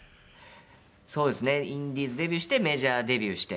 そうですねインディーズデビューしてメジャーデビューして。